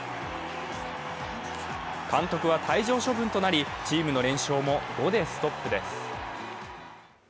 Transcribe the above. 監督は退場処分となり、チームの連勝も５でストップです。